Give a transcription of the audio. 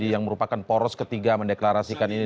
yang merupakan poros ketiga mendeklarasikan ini